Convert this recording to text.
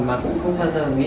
mà cũng không bao giờ nghĩ